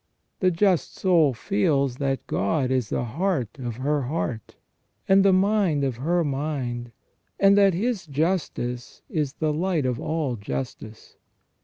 The just soul feels that God is the heart of her heart, and the mind of her mind, and that His justice is the light of all justice.